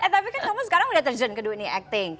tapi kan kamu sekarang udah terjun ke dunia acting